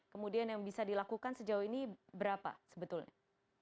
kemudian yang bisa dilakukan sejauh ini berapa sebetulnya